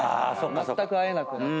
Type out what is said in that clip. まったく会えなくなって。